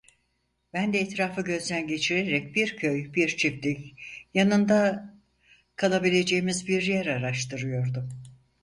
Ben de etrafı gözden geçirerek bir köy, bir çiftlik, yanında kalabileceğimiz bir yer araştırıyordum.